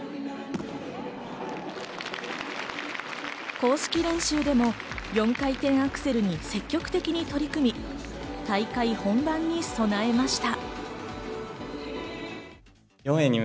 公式練習でも４回転アクセルに積極的に取り組み、大会本番に備えました。